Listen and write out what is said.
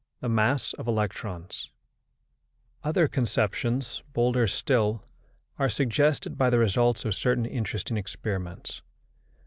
THE MASS OF ELECTRONS Other conceptions, bolder still, are suggested by the results of certain interesting experiments.